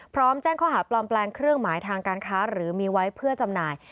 พร้อมแจ้งข้อหาปลอมแปลงเครื่องหมายทางการค้าหรือมีไว้เพื่อจำหน่าย